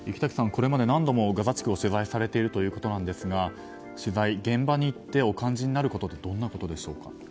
これまで何度もガザ地区を取材されているということなんですが現場に行って、お感じなることはどんなことでしょうか。